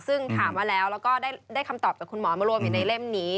ซึ่งถามมาแล้วแล้วก็ได้คำตอบจากคุณหมอมารวมอยู่ในเล่มนี้